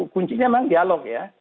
kuncinya memang dialog ya